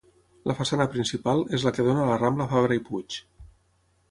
La façana principal és la que dóna a la Rambla Fabra i Puig.